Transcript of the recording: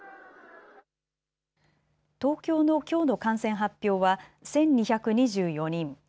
東京のきょうの感染発表は１２２４人。